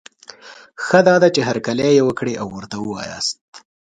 ښه دا ده، چي هرکلی یې وکړی او ورته وواياست